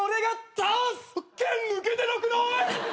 剣抜けてなくない？